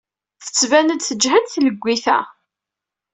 Tettban-d tejhed tleggit-a.